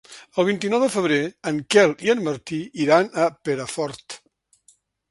El vint-i-nou de febrer en Quel i en Martí iran a Perafort.